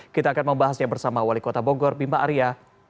kita akan membahasnya bersama wali kota bogor bima arya